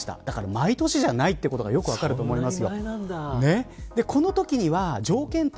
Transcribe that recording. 毎年じゃないということがよく分かると思います。